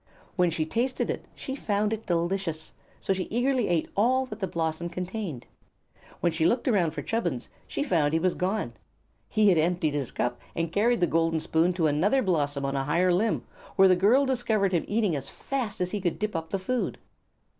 When she tasted it she found it delicious; so she eagerly ate all that the blossom contained. When she looked around for Chubbins she found he was gone. He had emptied his cup and carried the golden spoon to another blossom on a higher limb, where the girl discovered him eating as fast as he could dip up the food.